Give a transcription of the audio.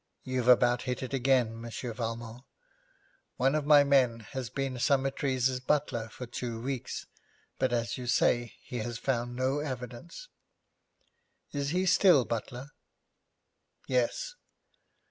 'You've about hit it again, Monsieur Valmont. One of my men has been Summertrees' butler for two weeks, but, as you say, he has found no evidence.' 'Is he still butler?' 'Yes.'